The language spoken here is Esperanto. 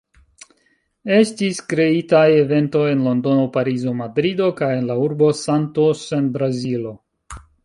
Estis kreitaj eventoj en Londono, Parizo, Madrido kaj en la urbo Santos en Brazilo.